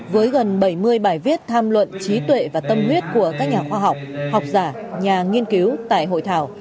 với gần bảy mươi bài viết tham luận trí tuệ và tâm huyết của các nhà khoa học học giả nhà nghiên cứu tại hội thảo